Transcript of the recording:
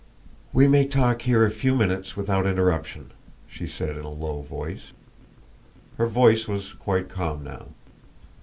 "We may talk here a few minutes without interruption," she said in a low tone. Her voice was quite calm now.